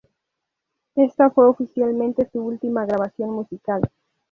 Esta fue oficialmente su última grabación musical.